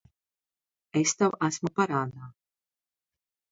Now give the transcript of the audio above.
Es tev esmu parādā.